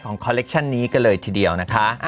คอลเลคชั่นนี้กันเลยทีเดียวนะคะ